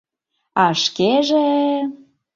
А шкеже-е...